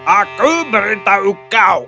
aku beritahu kau